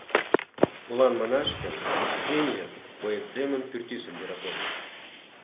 Молан манаш гын, Арсеньев поэт семын пӱртӱсым йӧратен.